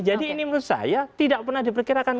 jadi ini menurut saya tidak pernah diperkirakan